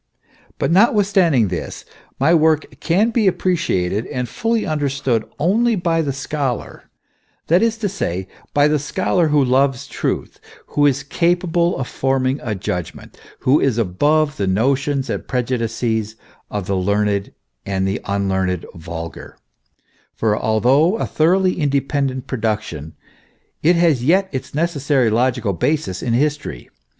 But notwith standing this, my work can be appreciated and fully understood only by the scholar, that is to say, by the scholar who loves truth, who is capable of forming a judgment, who is above the notions and prejudices of the learned and unlearned vulgar ; for although a thoroughly independent production, it has yet its necessary logical basis in history.